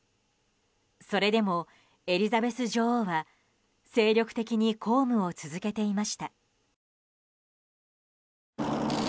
それでもエリザベス女王は精力的に公務を続けていました。